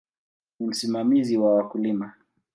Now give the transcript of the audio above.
Ni msimamizi wa wakulima.